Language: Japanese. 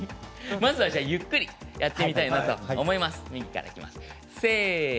まずはゆっくりやってみたいなと思います。